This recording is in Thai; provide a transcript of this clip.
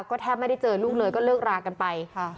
ก็แทบไม่ได้เจอลูกเลยก็เลิกรากันไป